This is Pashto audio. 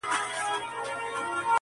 پردي توپونه به غړومبېږي د قیامت تر ورځي-